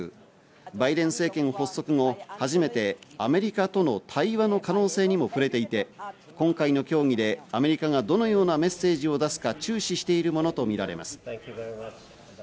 バイデン政権発足後、初めてアメリカとの対話の可能性にも触れていて、今回の協議でアメリカがどのようなメッセージを出すか注視しているものとみられます。